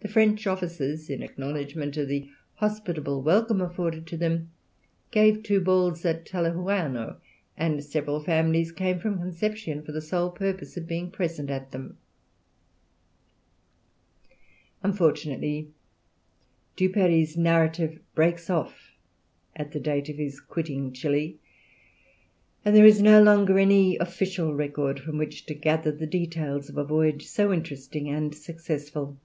The French officers, in acknowledgment of the hospitable welcome offered to them, gave two balls at Talcahuano, and several families came from Conception for the sole purpose of being present at them. Unfortunately, Duperrey's narrative breaks off at the date of his quitting Chili, and there is no longer any official record from which to gather the details of a voyage so interesting and successful.